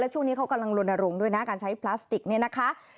ช่วงนี้เขากำลังลนรงค์ด้วยนะการใช้พลาสติกเนี่ยนะคะ